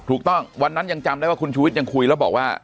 วันนั้นยังจำได้ว่าคุณชุวิตยังคุยแล้วบอกว่า